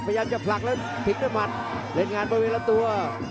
พยายามจะผลักแล้วทิ้งด้วยหมัดเล่นงานบริเวณลำตัว